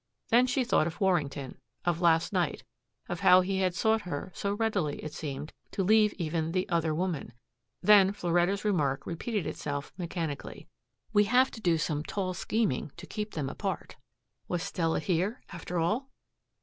Then she thought of Warrington, of last night, of how he had sought her, so ready, it seemed, to leave even the "other woman." Then Floretta's remark repeated itself mechanically. "We have to do some tall scheming to keep them apart." Was Stella here, after all?